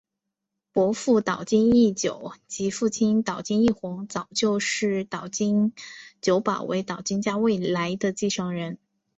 伯父岛津义久及父亲岛津义弘早就视岛津久保为岛津家未来的继承人。